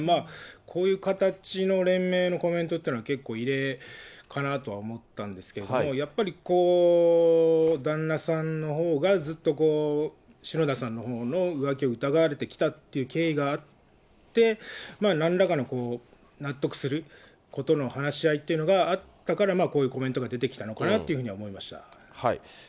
こういう形の連名のコメントというのは、結構異例かなとは思ったんですけど、やっぱり旦那さんのほうが、ずっと篠田さんのほうの浮気を疑われてきたっていう経緯があって、なんらかの納得することの話し合いということがあったから、こういうコメントが出てきたのかなと思いました。